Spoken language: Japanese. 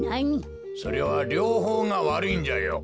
それはりょうほうがわるいんじゃよ。